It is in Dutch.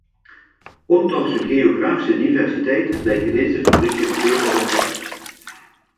Ondanks hun geografische diversiteit lijken deze fabrieken veel op elkaar.